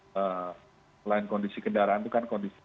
selain kondisi kendaraan itu kan kondisi